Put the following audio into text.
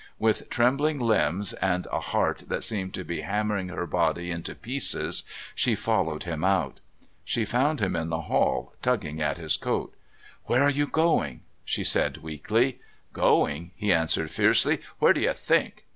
With trembling limbs and a heart that seemed to be hammering her body into pieces she followed him out. She found him in the hall, tugging at his coat. "Where are you going?" she said weakly. "Going?" he answered fiercely. "Where do you think?"